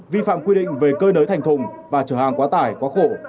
vi phạm quy định về cơi nới thành thùng và trở hàng quá tải quá khổ